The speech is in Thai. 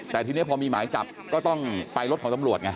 แต่ทีนี้พอมีหมายจับก็ต้องไปรถของตำรวจไง